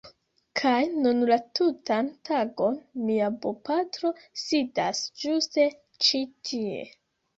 Kaj nun la tutan tagon mia bopatro sidas ĝuste ĉi tie